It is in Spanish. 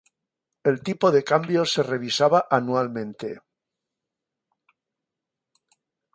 El tipo de cambio se revisaba anualmente.